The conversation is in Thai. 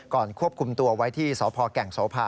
ก่อนควบคุมตัวไว้ที่สพแก่งสพ